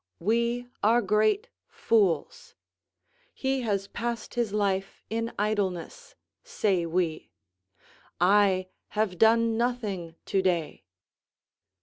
We are great fools. "He has passed his life in idleness," say we: "I have done nothing to day."